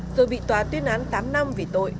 rồi bị tòa tuyên án tám năm vì tội